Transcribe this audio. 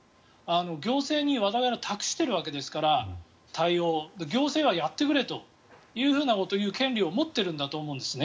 行政に対応をわざわざ託しているわけですから行政がやってくれということを言う権利を持っているんだと思うんですね。